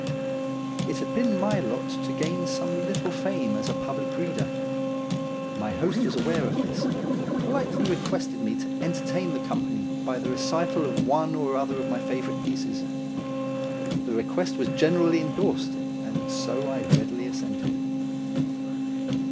It had been my lot to gain some little fame as a public reader. My host was aware of this, and politely requested me to entertain the company by the recital of one or other of my favourite pieces. The request was generally endorsed, and so I readily assented.